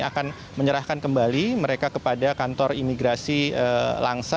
akan menyerahkan kembali mereka kepada kantor imigrasi langsa